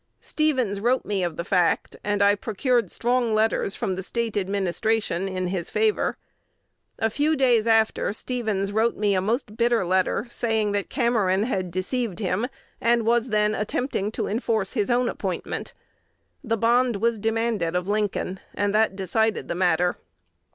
Stevens wrote me of the fact; and I procured strong letters from the State administration in his favor. A few days after Stevens wrote me a most bitter letter, saying that Cameron had deceived him, and was then attempting to enforce his own appointment. The bond was demanded of Lincoln; and that decided the matter."